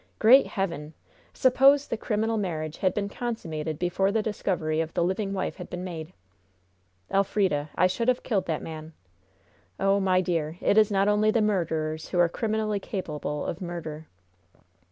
Great Heaven! Suppose the criminal marriage had been consummated before the discovery of the living wife had been made! Elfrida, I should have killed that man! Oh, my dear, it is not only the murderers who are criminally capable of murder!"